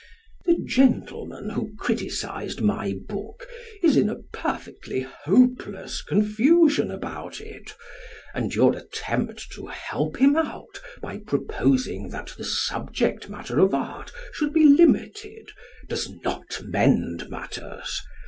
The gentleman who criticised my book is in a perfectly hopeless confusion about it, and your attempt to help him out by proposing that the subject matter of art should be limited does not mend matters.